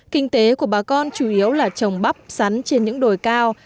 kinh tế của bà con chủ yếu là trồng bắp sắn trên những đồi cao